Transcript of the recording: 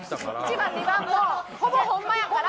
１番２番もほぼホンマやから。